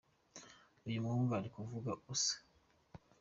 uyumuhungu arikuvuga ubusa